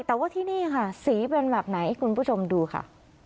แต่ว่าที่นี่ค่ะสีเป็นแบบไหนคุณผู้ชมดูค่ะ